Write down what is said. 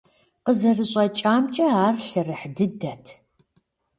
Къызэрыщӏэкӏамкӏэ, ар лъэрыхь дыдэт.